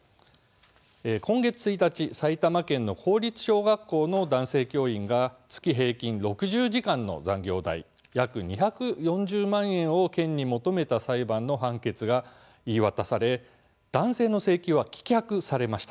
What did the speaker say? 今月１日、埼玉県の公立小学校の男性教員が月平均６０時間の残業代約２４０万円を県に求めた裁判の判決が言い渡され男性の請求は棄却されました。